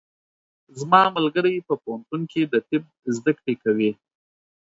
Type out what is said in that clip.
زما ملګری په پوهنتون کې د طب زده کړې کوي.